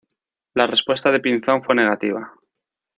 La respuesta de Pinzón fue negativa.